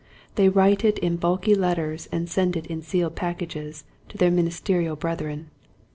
They write it in bulky letters and send it in sealed packages to their ministerial breth ren.